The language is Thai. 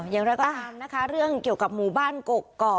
อย่างไรก็ตามนะคะเรื่องเกี่ยวกับหมู่บ้านกกอก